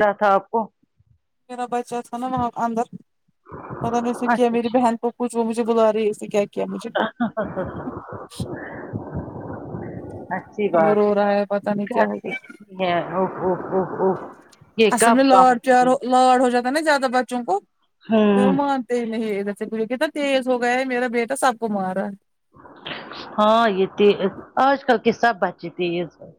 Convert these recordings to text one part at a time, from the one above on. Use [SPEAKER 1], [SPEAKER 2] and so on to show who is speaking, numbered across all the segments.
[SPEAKER 1] یا تھا آپ کو
[SPEAKER 2] میرا بچا تھا نا وہاں اندر پتہ میں اسے کیا
[SPEAKER 1] اچھا
[SPEAKER 2] میری
[SPEAKER 1] اچھا
[SPEAKER 2] بہن کو کچھ وہ مجھے بلا رہی اسے کیا کیا مجھے
[SPEAKER 1] اچھی
[SPEAKER 2] وہ
[SPEAKER 1] بات
[SPEAKER 2] رو رہا ہے پتا نہیں کیا ہو گیا
[SPEAKER 1] گیا ہو ہو ہو
[SPEAKER 2] اصل میں لاڑ پیار لاڑ ہو جاتا نا زیادہ بچوں کو تو
[SPEAKER 1] ہوں
[SPEAKER 2] ما پھر نہیں وہ دیکھیے کتا تیز ہو گیا ہے میرا بیٹا سب کو مار رہا ہے
[SPEAKER 1] ہاں یہ تیز آج کل کی سب بچے تیز ہے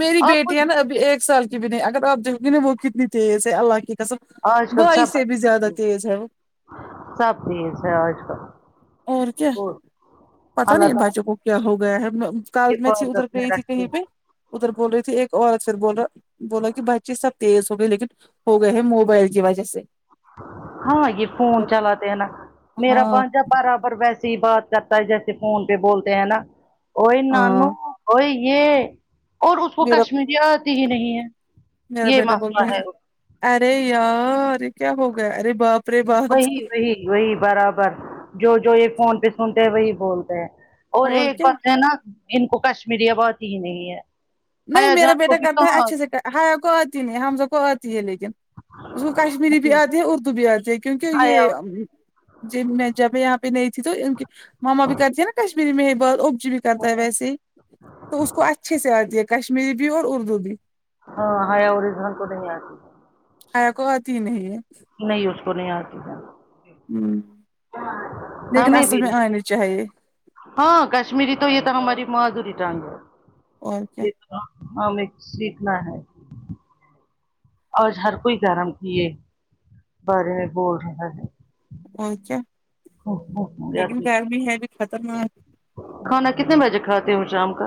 [SPEAKER 2] میری
[SPEAKER 1] اور
[SPEAKER 2] بیٹی
[SPEAKER 1] کچھ
[SPEAKER 2] ہے نا ابھی ایک سال کی بھی نہیں اگر آپ دیکھو گی نا وہ کتنی تیز ہے اللہ کی کسم
[SPEAKER 1] آج کل
[SPEAKER 2] بھائی
[SPEAKER 1] سب
[SPEAKER 2] سے بھی زیادہ
[SPEAKER 1] بچے
[SPEAKER 2] تیز ہے وہ
[SPEAKER 1] سب تیز ہے آج کل
[SPEAKER 2] اور کیا پتہ
[SPEAKER 1] اللہ
[SPEAKER 2] نہیں
[SPEAKER 1] تعالی
[SPEAKER 2] بچوں کو کیا ہو گیا ہے میں کل میں تھی ادھر
[SPEAKER 1] حفاظت میں
[SPEAKER 2] گئی تھی کہیں
[SPEAKER 1] رکھے
[SPEAKER 2] پہ ادھر بول رہی تھی ایک اور اکثر بول رہا بولا کہ بچے سب تیز ہو گئے لیکن ہو گئے ہے موبائل کی وجہ سے
[SPEAKER 1] ہاں یہ فون چلا تے ہے نا میرا
[SPEAKER 2] ہاں
[SPEAKER 1] بھانجا برابر ویسے ہی بات کرتا ہے جیسے فون پہ بولتے ہیں نا اوںی نانو
[SPEAKER 2] ہاں
[SPEAKER 1] اوںی یے اور اس کو
[SPEAKER 2] میرا
[SPEAKER 1] کشمیری آتی ہی نہیں ہے
[SPEAKER 2] میرا
[SPEAKER 1] یے
[SPEAKER 2] بیٹا
[SPEAKER 1] مثلا
[SPEAKER 2] بولتا
[SPEAKER 1] ہے
[SPEAKER 2] ارے یار یے کیا ہوگیا اور باپ رے باپ
[SPEAKER 1] وہی وہی وہی برابر جو جو یے فون پے سنتے ہیں وہی بولتے ہیں اور ایک بات ہے نا ان کو کشمیری اب آتی ہی نہیں ہے
[SPEAKER 2] نہیں
[SPEAKER 1] حیا
[SPEAKER 2] میرا
[SPEAKER 1] جان کو
[SPEAKER 2] بیٹا
[SPEAKER 1] بھی
[SPEAKER 2] کرتا ہے
[SPEAKER 1] کہاں
[SPEAKER 2] اچھے سے [unintelligible] حم لوگ کو آتی ہے لیکن اس کو کشمیری بھی آتی ہے اردو بھی آتی ہے کیونکہ یے
[SPEAKER 1] حیا
[SPEAKER 2] جی میں جب یہاں پے نہیں تھی تو ان کی ماما بھی کرتی ہیں نا کشمیری میں ہی بات کچھ بھی کرتا ہے ویسے ہی تو اس کو اچھے سے آتی ہے کشمیری بھی اور اردو بھی
[SPEAKER 1] ہاں حیا اور ایدھا کو نہیں اتی
[SPEAKER 2] حیا کو آتی ہی نہیں ہے
[SPEAKER 1] نہیں اس کو نہیں آتی
[SPEAKER 2] ہمم لیکن
[SPEAKER 1] ہمیں
[SPEAKER 2] اصل
[SPEAKER 1] بھی
[SPEAKER 2] میں
[SPEAKER 1] نہیں
[SPEAKER 2] آنی چاہیے
[SPEAKER 1] ہاں کشمیری تو یے تو ہماری مادوری ٹانگ ہے
[SPEAKER 2] اور کیا
[SPEAKER 1] یہ ہمیں سیکھنا ہے آج ہر کوئی گرم کیے بارے میں بول رہا ہے
[SPEAKER 2] اور کیا لیکن گرمی ہے بھی خطرناک
[SPEAKER 1] کھانا کتنے بجے کھاتے ہو شام کا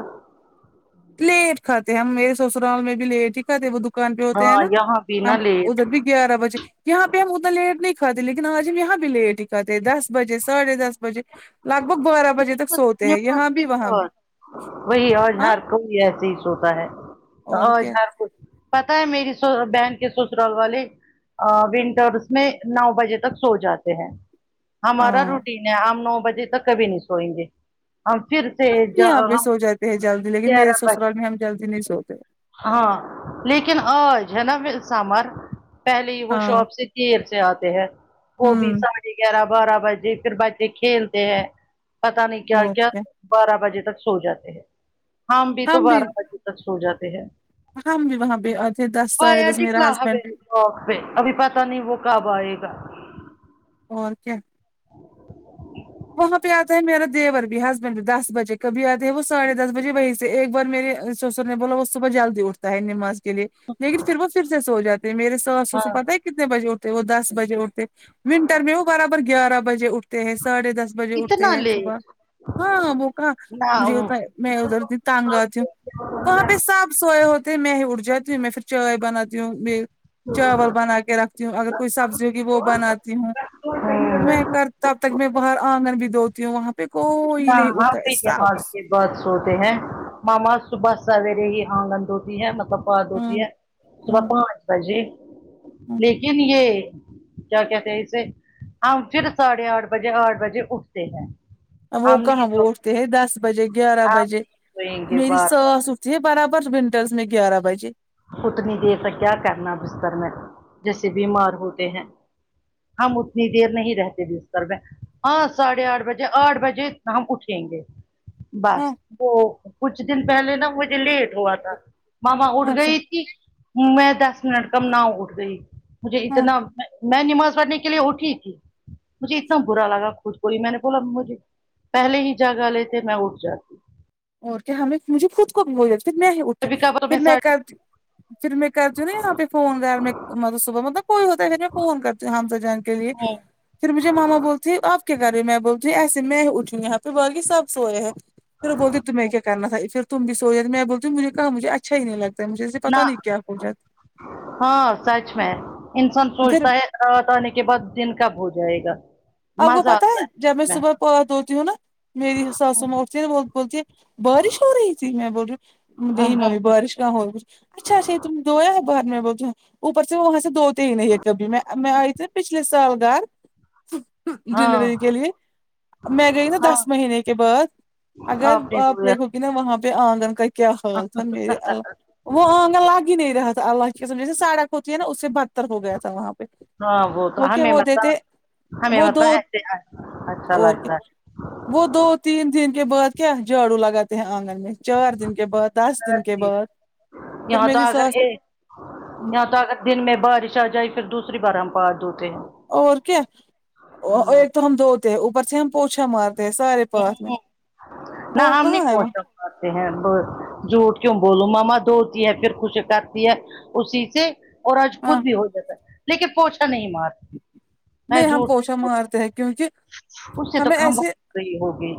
[SPEAKER 2] لیٹ کھاتے ہم میرے سسرال میں بھی لیٹ ہی کھاتے وہ دکان پے ہوتے
[SPEAKER 1] ہاں
[SPEAKER 2] ہیں نا
[SPEAKER 1] یہاں بھی نا
[SPEAKER 2] ہم
[SPEAKER 1] لیٹ
[SPEAKER 2] ادھر بھی گیارہ بجے یہاں پے ہم اتنا لیٹ نہیں کھاتے لیکن آج ہم یہاں بھی لیٹ ہی کاتے دس بجے ساڑھے دس بجے لگ بھگ بارہ بجے تک سوتے ہیں یہاں بھی وہاں بھی ہاں
[SPEAKER 1] یے ایسے ہی سوتا ہے
[SPEAKER 2] اور
[SPEAKER 1] آج
[SPEAKER 2] کیا
[SPEAKER 1] ہر کوئی پتہ ہے میری بہن کے سسرال والے ہے آ ونٹرس میں نو بجے تک سو جاتے ہیں
[SPEAKER 2] ہاں
[SPEAKER 1] ہمارا روٹین ہے ہم نو بجے تک کبھی نہیں سوئیں گے ہم پھر سے
[SPEAKER 2] ہم بھی
[SPEAKER 1] جا
[SPEAKER 2] یہاں پہ
[SPEAKER 1] ہم
[SPEAKER 2] سو جاتے ہیں جلدی لیکن میرے
[SPEAKER 1] گیارہ بج
[SPEAKER 2] سسرال میں ہم جلدی نہیں سوتے
[SPEAKER 1] ہاں لیکن آج ہے نا پھر سامر پہلے ہی وہ
[SPEAKER 2] ہاں
[SPEAKER 1] شاپ سے دیر سے آتے ہیں وہ بھی
[SPEAKER 2] ہوں
[SPEAKER 1] سا ڑھے گیارہ بارہ بجے پھر بچے کھیلتے ہیں پتہ نہیں کیا کیا بارہ بجے تک سو جاتے ہیں ہم بھی تو بارہ بجے تک سو جاتے ہیں
[SPEAKER 2] ہم بھی وہاں پے اتے دس ساڈھے دس میرا ہسبینڈ
[SPEAKER 1] اوکے ابھی پتہ نہیں وہ کب آئے گا
[SPEAKER 2] اور کیا وہاں پے آتا ہے میرا دیور بھی ہسبینڈ بھی دس بجے کبھی آتے ہے وہ ساڑھے دس بجے وہیں سے ایک بار میرے سوسر نے بولو وہ صبح جلدی اٹھتے ہے نماز کے لیے لیکن پھر وہ پھر سے سو جاتے ہیں میرے ساس سسر
[SPEAKER 1] ہاں
[SPEAKER 2] پتہ ہے کتنے بجے اٹھتے وہ دس بجے اٹھتے ونٹر میں وہ برابر گیارہ بجے اٹھتے ہیں ساڑھے دس بجے اٹھتے
[SPEAKER 1] اتنا
[SPEAKER 2] ہیں صبح
[SPEAKER 1] لیٹ
[SPEAKER 2] ہاں ہاں وہ کہا
[SPEAKER 1] نہ
[SPEAKER 2] مجھے
[SPEAKER 1] وہ
[SPEAKER 2] ہوتا ہے میں ادھر سے تنگ آ جاؤں وہاں پے سب سوئے ہوتے میں ہی اٹھ جاتی ہوں میں پھر چائے بناتی ہوں چاول بنا کے رکھتی ہوں اگر کوئی سبزی ہوگی وہ بناتی ہوں میں
[SPEAKER 1] ہاں
[SPEAKER 2] کر تب تک میں باہر آنگن بھی دھوتی ہوں وہاں پے کوئی نہیں اٹتا ایسبس
[SPEAKER 1] بات سوتے ہیں ماما صبح سویرے ہی آنگن دھوتی ہے مطلب بات
[SPEAKER 2] ہوں
[SPEAKER 1] ہوتی ہے صبح
[SPEAKER 2] ہوں
[SPEAKER 1] پانچ بجے
[SPEAKER 2] ہوں
[SPEAKER 1] لیکن یے کیا کہتے ہیں اسے ہم پھر ساڑھے آٹھ بجے آٹھ بجے اٹھتے ہیں
[SPEAKER 2] وہ
[SPEAKER 1] ہم نہیں
[SPEAKER 2] کہاں وہ
[SPEAKER 1] سوتے
[SPEAKER 2] اٹھتے ہے دس بجے گیارہ
[SPEAKER 1] آپ
[SPEAKER 2] بجے
[SPEAKER 1] سوئیں گے
[SPEAKER 2] میری
[SPEAKER 1] بار
[SPEAKER 2] ساس
[SPEAKER 1] بار
[SPEAKER 2] تی ہے برابر ونٹرس میں گیارہ بجے
[SPEAKER 1] اتنی دیر تک کیا کرنا بستر میں جیسے بیمار ہوتے ہیں ہم اتنی دیر نہیں رہتے بستر میں ہاں ساڑھے آٹھ بجے آٹھ بجے ہم اٹھیں گے
[SPEAKER 2] ہاں
[SPEAKER 1] بس وہ کچھ دن پہلے نہ مجھے لیٹ ہوا تھا ماما اٹھ
[SPEAKER 2] اچھا
[SPEAKER 1] گئی میں دس منٹ کا ناؤ اٹھ گئی مجھے
[SPEAKER 2] ہاں
[SPEAKER 1] اتنا میں نماز پڑھنے کے لیے اٹھی تھی مجھے اتنا برا لگا خود کوئی میں نے بولا مجھے پہلے ہی جگا لیے تھے میں اٹھ جاتی
[SPEAKER 2] اور کیا ہمیں مجھے خود کو [unintelligible] میں اتی
[SPEAKER 1] کبھی کبھار
[SPEAKER 2] پھر میں
[SPEAKER 1] ساڑھے
[SPEAKER 2] کرتی ہوں پھر میں کرتی ہوں نا یہاں پے فون گھر میں صبح مطلب کوئی ہوتا ہے پھر میں فون کرتی ہو ہمسا جان کے لیے
[SPEAKER 1] ہے
[SPEAKER 2] پھر مجھے ماما بولتی ہے آپ کے گھر میں بولتی ایسے میں اٹھوں یہاں پھر باقی سب سوئے ہیں پھر وہ بولتی تہمیں کیا کرنا تھا پھر تم بھی سو جاتی میں بولتی ہوں مجھے کہاں مجھے اچھا ہی نہیں لگا
[SPEAKER 1] نہ ہاں سچ ہیں انسان
[SPEAKER 2] پھر
[SPEAKER 1] سوچھتا ہے رات آنے کے بعد دن کب ہو جائے گا
[SPEAKER 2] آپ کو
[SPEAKER 1] مزہ
[SPEAKER 2] پتہ
[SPEAKER 1] آتا
[SPEAKER 2] ہے جب میں صبح پاتھ دھوتی ہوں نا میری ساسو ماں اٹھتی نہ بولتی ہے بارش ہو رہی تھی میں بول رہی نہیں ممی بارش کہاں ہو رہی اچھا سے تم دویا ہے بعد میں بولتے ہیں اوپر سے وہاں سے دھوتے نہیں ہے کبھی میں میں آئی تھی پچھلے سال گھر
[SPEAKER 1] ہاں
[SPEAKER 2] ڈلیوری کے لیے میں گئی نا
[SPEAKER 1] ہاں
[SPEAKER 2] دس مہینے کے بعد اگر آپ دیکھو گی نا وہاں پے آنگن کیا حال تھا میرے
[SPEAKER 1] دیا
[SPEAKER 2] اللہ وہ آنگن لگ ہی نہیں رہا تھا اللہ کی قسم جیسے سڑک ہوتی ہے نا اس سے بدتر ہو گیا تھا وہاں پے
[SPEAKER 1] ہاں وہ تو ہمیں مطلب ہمیں
[SPEAKER 2] وہ
[SPEAKER 1] مطب
[SPEAKER 2] دو
[SPEAKER 1] ایسے اچھا
[SPEAKER 2] اور
[SPEAKER 1] لگتا ہے
[SPEAKER 2] وہ دو تین دن کے بعد کیا جھاڑو لگاتے ہیں آنگن میں چار دن کے بعد دس دن کے بعد پھر
[SPEAKER 1] یہاں تو
[SPEAKER 2] میری
[SPEAKER 1] اگر
[SPEAKER 2] ساس
[SPEAKER 1] یے یہاں تو اگر دن میں بارش آ جائی پھر دوسری بار ہم پارتھ ہوتے ہیں
[SPEAKER 2] اور کیا ایک تو ہم دوھتے اوپر سے ہم پوچھا مار سارے پاتھ میں
[SPEAKER 1] ہوں
[SPEAKER 2] وہ کہاں ہے وہ
[SPEAKER 1] اتے ہیں با جھوٹ کیوں بولوں ماما دھتی ہے پھر کچھ کرتی ہے اسی سے اور آج خود
[SPEAKER 2] ہاں
[SPEAKER 1] بھی ہو جاتا ہے لیکن پوچا نہیں مار میں
[SPEAKER 2] نہیں ہم
[SPEAKER 1] جھوٹ
[SPEAKER 2] پوچھا
[SPEAKER 1] بول
[SPEAKER 2] مارتے ہیں کیونکہ
[SPEAKER 1] اس سے تو
[SPEAKER 2] ہمیں
[SPEAKER 1] خھمبہ
[SPEAKER 2] ایسے
[SPEAKER 1] صحیح ہو گئی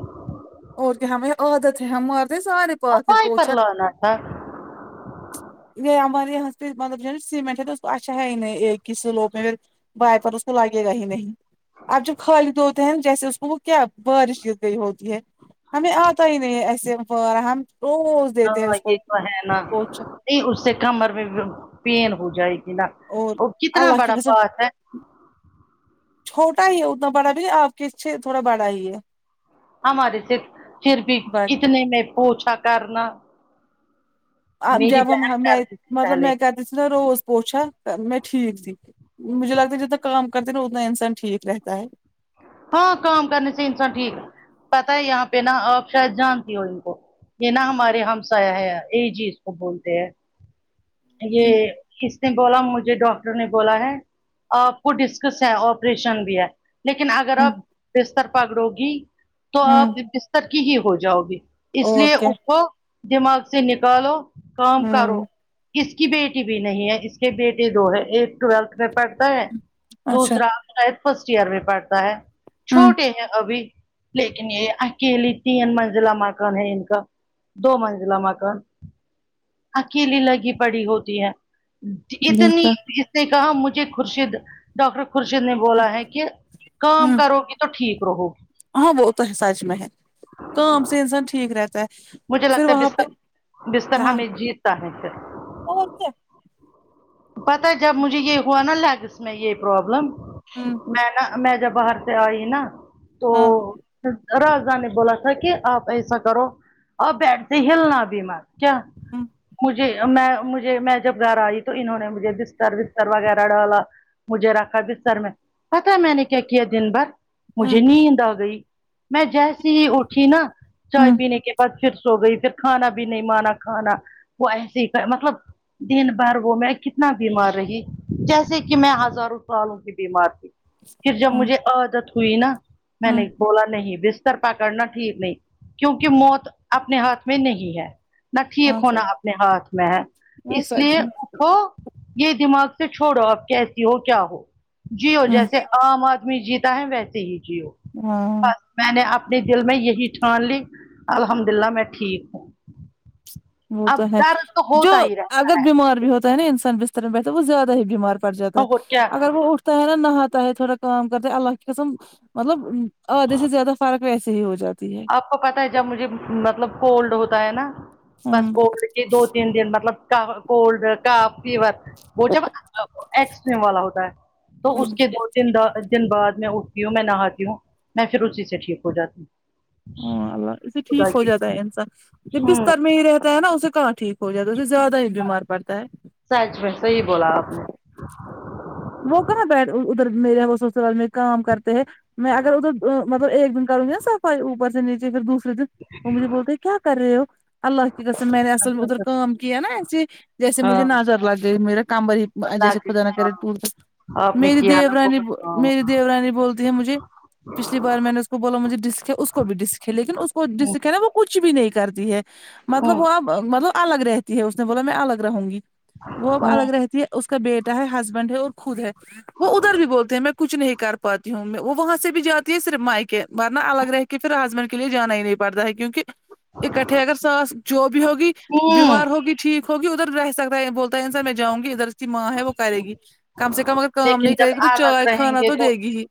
[SPEAKER 2] اور کیا ہمیں عادت ہے ہمارتے سارے
[SPEAKER 1] اب
[SPEAKER 2] پاتھ میں
[SPEAKER 1] پائی
[SPEAKER 2] پوچھا
[SPEAKER 1] پر لانا تھا
[SPEAKER 2] یے ہمارے یہاں پے مطلب سیمینٹ ہے اچھا ہے ہی نہیں ایک ہی سیلوپ میں بائے پر اس کو لگے گا ہی نہیں اب جو خالی دھو تے ہیں نا جیسے اس کو وہ کیا بارش گر گئی ہوتی ہے ہمیں آتا ہی نہیں ہے ایسے فارا ہم روز دیتے ہیں
[SPEAKER 1] ہاں
[SPEAKER 2] اس
[SPEAKER 1] یہ
[SPEAKER 2] کو
[SPEAKER 1] تو ہے نا
[SPEAKER 2] پوچھا
[SPEAKER 1] نہیں اس سے کمر میں پین ہو جائے گی نا
[SPEAKER 2] اور
[SPEAKER 1] وہ کتنا
[SPEAKER 2] اللہ کی
[SPEAKER 1] بڑا
[SPEAKER 2] قسم
[SPEAKER 1] پاتھ ہے
[SPEAKER 2] چھوٹا ہی ہے اتنا بڑا بھی نہیں آپ کے چھے تھوڑا بڑا ہی ہے
[SPEAKER 1] ہمارے سے پھر بھی
[SPEAKER 2] بٹ
[SPEAKER 1] اتنے میں پوچھا کرنا
[SPEAKER 2] آپ
[SPEAKER 1] میری
[SPEAKER 2] جب
[SPEAKER 1] بہن
[SPEAKER 2] ہم میں
[SPEAKER 1] کرتی تھی
[SPEAKER 2] مطلب
[SPEAKER 1] پہلے
[SPEAKER 2] میں گدس نا روز پوچھا میں ٹھیک تھی مجھے لگتا ہے جتنا کام کرتے نا اتنا انسان ٹھیک رہتا ہے
[SPEAKER 1] ہاں کام کرنے سے انسان ٹھیک پتہ ہے یہاں پہ نا آپ شاید جانتی ہو ان کو یہ نا ہمارے ہم سایہ ہے یہ جی اسکو بولتے ہیں
[SPEAKER 2] ہے
[SPEAKER 1] یہ کس نے بولا مجھے ڈاکٹر نے بولا ہے آپ کو ڈسکس ہے آپریشن بھی ہے لیکن اگر
[SPEAKER 2] ہوں
[SPEAKER 1] آپ بستر پکڑو گی تو آپ
[SPEAKER 2] ہوں
[SPEAKER 1] بستر کی ہی ہو جاؤ گی اس
[SPEAKER 2] اور
[SPEAKER 1] لیے
[SPEAKER 2] کیا
[SPEAKER 1] اٹھو دماغ سے نکالو کام کرو
[SPEAKER 2] ہوں
[SPEAKER 1] اس کی بیٹی بھی نہیں ہے اس کے بیٹے دو ہے ایک ٹویلتھ میں پڑھتا ہے
[SPEAKER 2] اچھا
[SPEAKER 1] دوسرا شاید فرسٹ ایئر میں پڑھتا ہے
[SPEAKER 2] ہوں
[SPEAKER 1] چھوٹے ہیں ابھی لیکن یہ اکیلی تین منزلہ مکان ہے ان کا دو منزلہ مکان اکیلی لگی پڑی ہوتی ہے اتنی
[SPEAKER 2] دیکھا
[SPEAKER 1] اس نے کہا مجھے خورشید ڈاکٹر خورشید نے بولا ہے کہ کام
[SPEAKER 2] ہوں
[SPEAKER 1] کرو گی تو ٹھیک رہو گی
[SPEAKER 2] ہاں وہ تو ہے سچ میں ہے کام سے انسان ٹھیک رہتا ہے
[SPEAKER 1] مجھے
[SPEAKER 2] پھر
[SPEAKER 1] لگتا ہے
[SPEAKER 2] وہاں پہ
[SPEAKER 1] بستر بستر
[SPEAKER 2] ہاں
[SPEAKER 1] ہمیں جیت تا ہے
[SPEAKER 2] اور کیا
[SPEAKER 1] پتا جب مجھے یہ ہوا نا لیگس میں یہ پروابلم
[SPEAKER 2] ہوں
[SPEAKER 1] میں نا میں جب باہر سے آئی نا تو
[SPEAKER 2] ہاں
[SPEAKER 1] راجا نے بولا تھا کہ آپ ایسا کرو اور بیٹھ سے ہلنا بیمار کیا
[SPEAKER 2] ہوں
[SPEAKER 1] مجھ جی میں مجھے میں جب گھر آئی تو انہوں نے مجھے بستر وستر وغیرہ ڈالا مجھے رکھا بستر میں پتہ ہے میں نے کیا کیا دن بھر
[SPEAKER 2] ہوں
[SPEAKER 1] مجھے نیند آ گئی میں جیسی ہی اٹھی نا چائے
[SPEAKER 2] ہوں
[SPEAKER 1] پینے کے پ پھر سو گئی پھر کھانا بھی نہیں مانا کھانا وہ ایسے ہی تھا مطلب دن بھر وہ میں کتنا بیمار رہی جیسے کہ میں ہزاروں سالوں کی بیمار تھی پھر جب
[SPEAKER 2] ہوں
[SPEAKER 1] مجھے عادت ہوئی نا میں
[SPEAKER 2] ہوں
[SPEAKER 1] نے بولا نہیں بس تر پکڑنا ٹھیک نہیں کیونکہ موت اپنے ہاتھ میں نہیں ہے نہ ٹھیک
[SPEAKER 2] ہاں
[SPEAKER 1] ہونا
[SPEAKER 2] سچ
[SPEAKER 1] اپنے ہاتھ میں ہے
[SPEAKER 2] ہاں
[SPEAKER 1] اس لیے
[SPEAKER 2] سچ میں
[SPEAKER 1] اٹھو یہ دماغ سے چھوڑو آپ کیسی ہو کیا ہو جیو
[SPEAKER 2] ہوں
[SPEAKER 1] جیسے عام آد می جیتا ہے ویسے ہی جیو
[SPEAKER 2] ہاں
[SPEAKER 1] ہ میں نے اپنے دل میں یہی ٹھان لی الحمد للہ میں ٹھیک ہوں
[SPEAKER 2] وہ تو
[SPEAKER 1] اب
[SPEAKER 2] ہے
[SPEAKER 1] درد تو
[SPEAKER 2] جو
[SPEAKER 1] ہوتا ہی رہا
[SPEAKER 2] اگر بیمار بھی ہوتا ہے ن ا انسان بستر پ بیٹھ وہ زیادہ ہی بیمار پڑ جاتا ہے
[SPEAKER 1] اور کیا
[SPEAKER 2] اگر وہ اٹھ ٹا ہے نا نہاٹا ہے تھوڑا کام کرتے ہیں اللہ کی قسم مطلب ادھے سے زیادہ فرق ویسے ہی ہو جاتی ہے
[SPEAKER 1] آپ کو پتہ ہے جب مجھے مطلب کولڈ ہوتا ہے نا بس
[SPEAKER 2] ہوں
[SPEAKER 1] کولڈ کی دو تین دن مطلب کہہ کولڈ کاف فیور وہ جب ا ایکسٹریم والا ہوتا ہے تو
[SPEAKER 2] ہوں
[SPEAKER 1] اس کے دو دن د دن بعد میں اٹھتی ہوں میں نہاتی ہوں میں پھر اسی سے ٹھیک ہو جاتی ہوں
[SPEAKER 2] ہون اللہ اسے ٹھیک
[SPEAKER 1] خدا
[SPEAKER 2] ہو
[SPEAKER 1] کی
[SPEAKER 2] جاتا ہے انسان جب
[SPEAKER 1] ہوں
[SPEAKER 2] بستر میں ہی رہ تا ہے نا اس کہاں ٹھیک ہو جاتا ہے اسے زیادہ ہی بیمار پڑتا ہے
[SPEAKER 1] سچ میں صحیح بولا آپ نے
[SPEAKER 2] وہ کہنا بیٹھ ادھر میرے وہ سسرال میں کام کرتے ہیں میں اگر ادھر وں مطلب ایک دن کروں گی نا صفائی اوپر سے نیچے پھر دوسر دن وہ مجھے بولتے کیا کر رہے ہو اللہ کی قسم میںی نے اصل ادھر کام کیا نا ایسے جیسے
[SPEAKER 1] ہاں
[SPEAKER 2] مجھے نظر لگئی میرے کام والی
[SPEAKER 1] اللہ
[SPEAKER 2] جیسے
[SPEAKER 1] کی
[SPEAKER 2] خدا نہ
[SPEAKER 1] ہاں
[SPEAKER 2] کرے ہ
[SPEAKER 1] آپ نے
[SPEAKER 2] میری
[SPEAKER 1] کیا نا
[SPEAKER 2] دیورانی
[SPEAKER 1] بہت
[SPEAKER 2] ب
[SPEAKER 1] ہاں
[SPEAKER 2] میری دیورانی بولتی ہے مجھے پچھلی بار میں نے اس نے بولا مجھے ڈسک ہے اس کو بھی ڈسک ہے لیکن اس کو
[SPEAKER 1] ہوں
[SPEAKER 2] ڈسک ہے نا وہ کچھ بھی نہیں کرتی ہے مطلب
[SPEAKER 1] ہوں
[SPEAKER 2] وہ اب مطلب الگ رہتی ہے اس نے بولا میں الگ رہوں گی وہ اب
[SPEAKER 1] ہوں
[SPEAKER 2] الگ رہتی ہے اس کا بیٹا ہے ہس بنڈ ہے اور خود ہے وہ ادھر بھی بولتے ہیں میں کچھ نہیں کر پاتی ہوں میں وہاں سے بھی جاتی ہے صرف مائکے ورنہ الگ رہ کے پھر ہسبینڈ کے لیے جانا ہی نہیں پڑتا ہے کیونکہ اکٹھے اگر ساس جو بھی ہوگی
[SPEAKER 1] ہوں
[SPEAKER 2] بیمار ہوگی ٹھیک ہوگی ادھر رہے سکتا ہے وہ [unintelligible] میں جاؤں گی ادھر کی ماں ہے وہ کرے گی کم سے کم اگر کام
[SPEAKER 1] لیکن
[SPEAKER 2] نہیں کرے
[SPEAKER 1] جب
[SPEAKER 2] گی تو
[SPEAKER 1] الگ
[SPEAKER 2] چائے
[SPEAKER 1] رہیں
[SPEAKER 2] کھانا
[SPEAKER 1] گے
[SPEAKER 2] تو دے گی ہی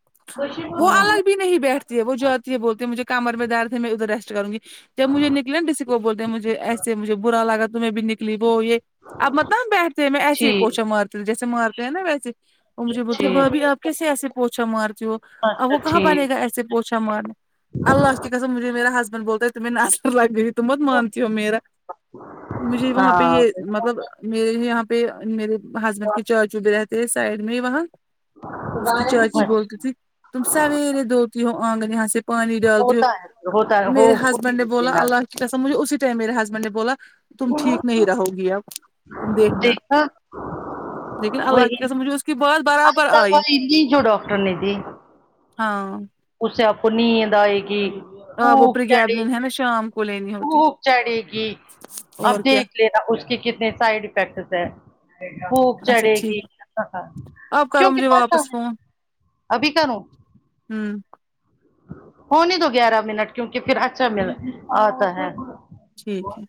[SPEAKER 2] وہ
[SPEAKER 1] ہوں
[SPEAKER 2] الگ بھی نہیں بیٹھتی ہے وہ جاتی ہے بولتی ہے مجھے کمر میں درد ہے میں ادھر ریسٹ کروں گی جب مجھے نکلے کسی کو بولتے ہیں مجھے ایسے مجھے برا لگا تو میں بھی نکلی وہ یے اب مطلب بیٹھتے ہیں میں ایسے ہی
[SPEAKER 1] جی
[SPEAKER 2] پوچا مارتی ہو جیسے مارتے ہیں نا ویسے وہ مجھے بولتی بھابی آپ
[SPEAKER 1] ٹھیک
[SPEAKER 2] کیسے ایسے پوچھا مارتی ہو اب
[SPEAKER 1] اچھا
[SPEAKER 2] وہ کہاں بنے گا
[SPEAKER 1] ٹھیک
[SPEAKER 2] ایسے پوچا مارا اللہ کی قسم مجھے میرا ہسبینڈ بولتا ہے تمہیں نظر لگ گئی تم بہت مانتی ہو میرا مجھے وہاں پے
[SPEAKER 1] ہاں
[SPEAKER 2] یہ مطلب میرے یہاں پے میرے ہسبینڈ کے چاچو بھی رہتے ہیں سائڈ میں ہی وہاں اس کی چاچی بولتی تھی تم سویرے دھوتی ہو آنگن یہاں سے پانی ڈالتی ہو
[SPEAKER 1] ہوتا ہے ہوتا ہے
[SPEAKER 2] میرے
[SPEAKER 1] ہو بھی
[SPEAKER 2] ہسبینڈ نے
[SPEAKER 1] ہوتی
[SPEAKER 2] بولا
[SPEAKER 1] نا
[SPEAKER 2] اللہ قسم مجھے اسی ٹائم میرے ہسبینڈ نے بولا تم ٹھیک نہیں رہو گی اب تم دیکھنا لیکن
[SPEAKER 1] وہ
[SPEAKER 2] اللہ
[SPEAKER 1] ہی
[SPEAKER 2] کی قسم مجھے اس کی بات
[SPEAKER 1] آج
[SPEAKER 2] برابر آئی
[SPEAKER 1] دوائی لی جو ڈاکٹر نے دی
[SPEAKER 2] ہاں
[SPEAKER 1] اسے اب نیند آئے گی
[SPEAKER 2] آ وہ
[SPEAKER 1] خوب چڑھے
[SPEAKER 2] پرریگیبلن ہے نا شام کو لینی ہوتی
[SPEAKER 1] خوب چڑھے گی اب
[SPEAKER 2] اور کیا
[SPEAKER 1] دیکھ لینا اس کے کتنے سائڈ افیکٹس ہیں خوب
[SPEAKER 2] اچھا
[SPEAKER 1] چڑھے گی
[SPEAKER 2] ٹھیک ہے آپ کرو
[SPEAKER 1] کیوں کی
[SPEAKER 2] مجھے
[SPEAKER 1] پتا
[SPEAKER 2] واپس
[SPEAKER 1] ہے
[SPEAKER 2] فون
[SPEAKER 1] ابھی کروں
[SPEAKER 2] ہوں
[SPEAKER 1] ہو نے دو گیارہ منٹ کیونکی پھر اچھا مل آتا ہے
[SPEAKER 2] ٹھیک ہے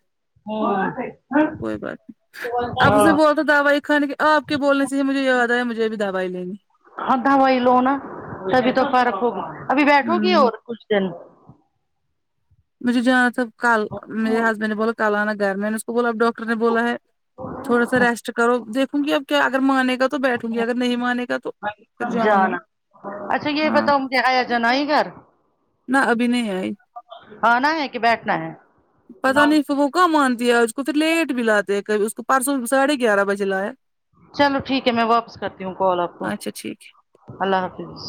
[SPEAKER 1] ہوں
[SPEAKER 2] کوئی بات نہیں اب اسے
[SPEAKER 1] ہاں
[SPEAKER 2] بول تو دوائی خانے کے آپ کے بولنے سے ہی مجھے یاد آیا مجھے بھی دوائی لینی
[SPEAKER 1] ہاں دوائی لو نا تبھی تو فرق ہو ابھی بیٹھو گی
[SPEAKER 2] ہوں
[SPEAKER 1] اور [unintelligible]
[SPEAKER 2] مجھے جانا تھا کل میرے ہسبینڈ نے بولا کل آنا گھر میں نے اسکو تو بولا اب ڈاکٹر نے بولا ہے تھوڑا سا ریسٹ کرو دیکھوں گی اب کیا اگر مانے گا تو بیٹھوں گی اگر نہیں مانے گا تو پھر جاؤں گی ہاں
[SPEAKER 1] کے آیا جان آئی گھر
[SPEAKER 2] نا ابھی نہیں آئی
[SPEAKER 1] آنا ہے کی بیٹھنا ہے
[SPEAKER 2] پتا نہیں فر وہ کہاں مانتی ہے آج اس کو لیٹ بھی لاتے کبھی اس کو پرسوں ساڑھے گیارہ بجے لا یا
[SPEAKER 1] چلو ٹھیک ہے میں واپس کرتی ہوں کال آپ کو
[SPEAKER 2] اچھا ٹھیک
[SPEAKER 1] اللہ حافظ